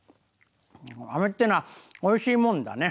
あめっていうのはおいしいもんだね。